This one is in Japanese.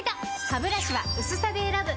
ハブラシは薄さで選ぶ！